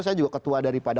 saya juga ketua daripada